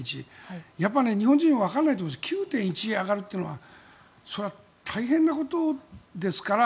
やっぱり日本人は分からないと思うんですけど９．１上がるというのはそれは大変なことですから。